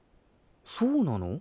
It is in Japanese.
そうなの？